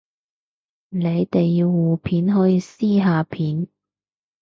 你哋要互片可以私下片